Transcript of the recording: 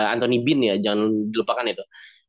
anthony bean ya jangan dilupakan itu